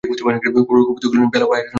রঘুপতি কহিলেন, বেলা বহিয়া যায়, নৌকায় উঠা হউক।